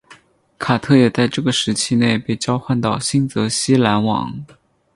卡特也在这个时期内被交换到新泽西篮网。